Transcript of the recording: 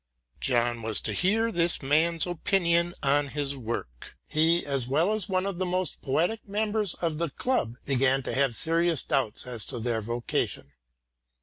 John was to hear this man's opinion on his work. He, as well as one of the most poetical members of the club, began to have serious doubts as to their vocation.